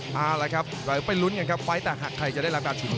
เอาละครับเราไปลุ้นกันครับไฟล์แตกหากใครจะได้รับการชิง